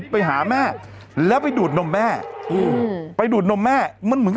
เป็นการกระตุ้นการไหลเวียนของเลือด